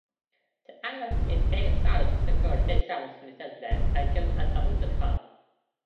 The album is being sold through digital retailers like iTunes and amazon dot com.